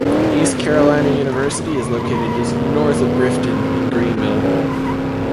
East Carolina University is located just north of Grifton in Greenville.